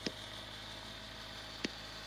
وروستۍ بې نتیجې هڅه د روم د ګورنر اګریکولا وه